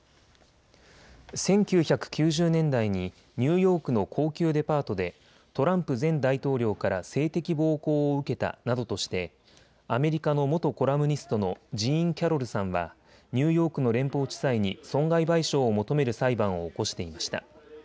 １９９０年代にニューヨークの高級デパートでトランプ前大統領から性的暴行を受けたなどとしてアメリカの元コラムニストのジーン・キャロルさんはニューヨークの連邦地裁に損害賠償を求める裁判を起こしていました。